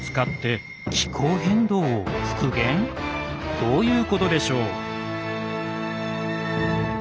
どういうことでしょう？